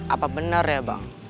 apa benar ya bang